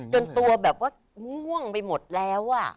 จนตัวแบบว่าม่วงไปหมดแล้ว